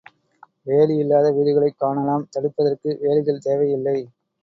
வேலி இல்லாத வீடுகளைக் காணலாம் தடுப்பதற்கு வேலிகள் தேவை இல்லை.